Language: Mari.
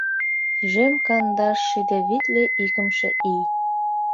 Тӱжем кандаш шӱдӧ витле икымше ий.